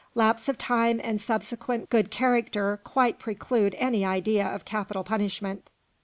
Lapse of time and subsequent good character quite preclude any idea of capital punishment."